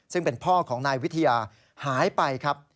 ซึ่งเป็นพ่อของนายวิทยาหายไปครับ